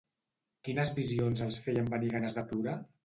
Quines visions els feien venir ganes de plorar?